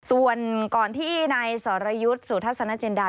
ส่วนก่อนที่นายสรยุทธ์สุทัศนจินดา